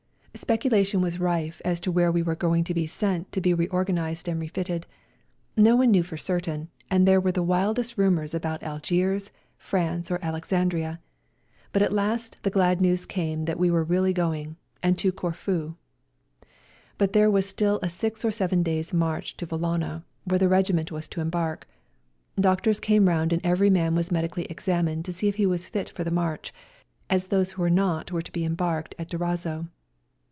Speculation was rife as to where we were going to be sent to be reorganised and refitted; no one knew for certain, and there were the wildest rumours about Algiers, France, or Alexandria, but at last the glad news came that we were really going, and to Corfu. But there was still a six or seven days' march to Vallona, where the regiment was to embark. Doctors came round and every man was medically examined to see if he was fit for the march, as those who were not were to be embarked at Durazzo.